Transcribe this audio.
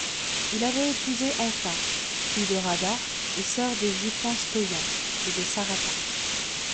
Il avait épousé Anca, fille de Rada et sœur du Jupan Stoian de Sărata.